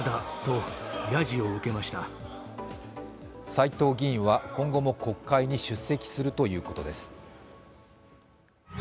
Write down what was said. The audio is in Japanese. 斉藤議員は今後も国会に出席するということです。